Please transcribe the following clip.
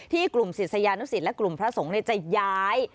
กลุ่มศิษยานุสิตและกลุ่มพระสงฆ์จะย้าย